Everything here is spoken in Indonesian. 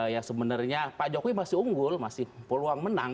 ya sebenarnya pak jokowi masih unggul masih peluang menang